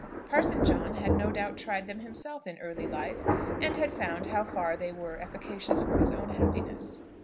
Parson John had no doubt tried them himself in early life, and had found how far they were efficacious for his own happiness.